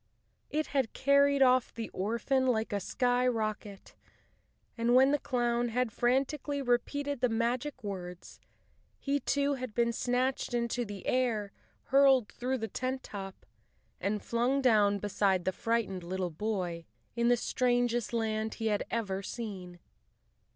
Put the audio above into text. It had carried off the orphan like a skyrocket, and when the clown had frantically repeated the magic words, he too had been snatched into the air, hurled through the tent top, and flung down beside the frightened little boy in the strangest land he had ever seen.